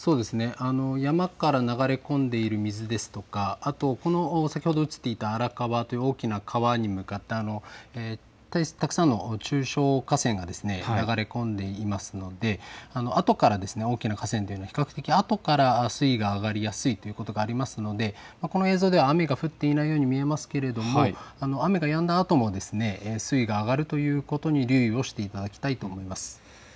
山から流れ込んでいる水ですとかあと、先ほど映っていた荒川という大きな川に向かってたくさんの中小河川が流れ込んでいますので大きな河川、比較的あとから水位が上がりやすいということがありますので、この映像では雨が降っていないように見えますけれども雨がやんだあとも水位が上がるということに留意をしていただきたいと思います。